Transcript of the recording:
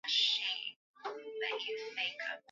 mila zao na ikiwa unajua angalau maneno machache